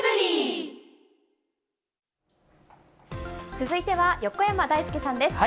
続いては、横山だいすけさんです。